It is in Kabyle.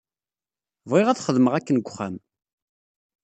Bɣiɣ ad xedmeɣ akken deg uxxam.